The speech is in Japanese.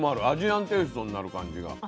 アジアンテーストになる感じが。